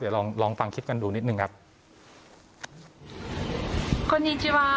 เดี๋ยวลองฟังคลิปกันดูนิดนึงครับ